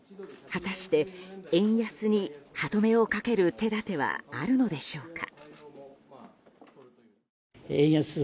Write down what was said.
果たして、円安に歯止めをかける手立てはあるのでしょうか。